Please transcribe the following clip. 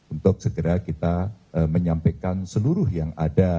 untuk segera kita menyampaikan seluruh yang ada